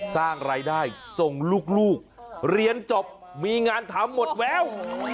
สร้างรายได้ส่งลูกเรียนจบมีงานทำหมดแวว